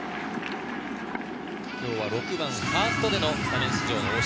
今日は６番ファーストでのスタメン出場、大城。